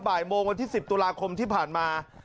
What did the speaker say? บ่ายโมงวันที่๑๐ตุลาคมที่ผ่านมา